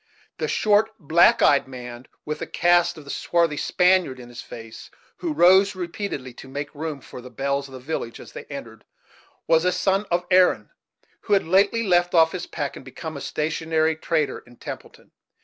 The short, black eyed man, with a cast of the swarthy Spaniard in his face, who rose repeatedly to make room for the belles of the village as they entered, was a son of Erin, who had lately left off his pack, and become a stationary trader in Templeton.